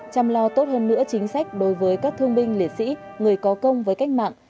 chăm lo tốt hơn nữa chính sách đối với các thương binh liệt sĩ người có công với cách mạng